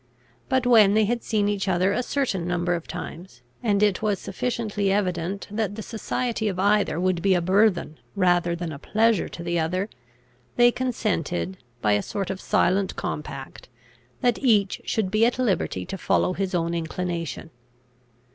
But when they had seen each other a certain number of times, and it was sufficiently evident that the society of either would be a burthen rather than a pleasure to the other, they consented, by a sort of silent compact, that each should be at liberty to follow his own inclination.